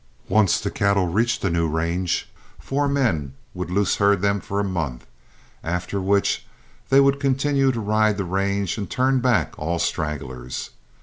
Once the cattle reached the new range, four men would loose herd them for a month, after which they would continue to ride the range and turn back all stragglers.